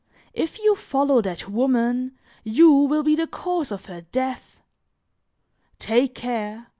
If you follow that woman, you will be the cause of her death. Take care!